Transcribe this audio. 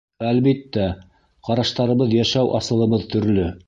Әлбиттә, ҡараштарыбыҙ, йәшәү асылыбыҙ төрлө.